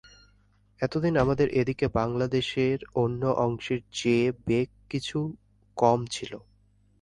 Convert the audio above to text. এতদিন আমাদের এ দিকে বাংলাদেশের অন্য অংশের চেয়ে বেগ কিছু কম ছিল।